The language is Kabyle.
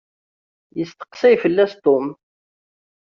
Yesteqsay fell-as Tom.